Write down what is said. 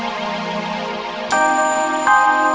tapi seminggu lagi memang jauh